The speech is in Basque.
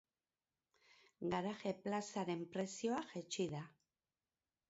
Garaje plazaren prezioa jaitsi da.